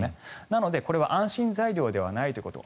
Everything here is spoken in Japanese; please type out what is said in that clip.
なので、これは安心材料ではないということ。